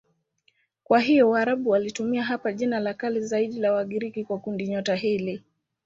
Kwa hiyo Waarabu walitumia hapa jina la kale zaidi la Wagiriki kwa kundinyota hili.